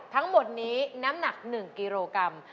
ทั้งหมดนี้น้ำหนัก๑กิโลกรัม